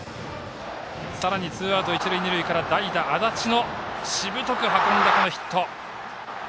さらにツーアウト、一塁二塁から代打、安達のしぶとく運んだヒット。